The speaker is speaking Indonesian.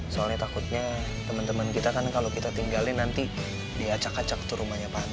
soalnya takutnya teman teman kita kan kalau kita tinggalin nanti diacak acak tuh rumahnya pak